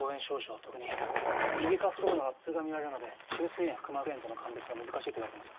特に右下腹部の圧痛が見られるので虫垂炎腹膜炎との鑑別が難しいといわれてます。